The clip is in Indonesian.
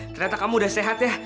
ternyata kamu udah sehat ya